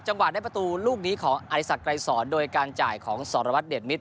จังหวัดได้ประตูลูกนี้ของอธิษฐกรายสอนโดยการจ่ายของสอรวัตรเดชมิตร